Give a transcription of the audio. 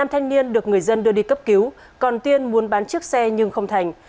năm thanh niên được người dân đưa đi cấp cứu còn tiên muốn bán chiếc xe nhưng không thành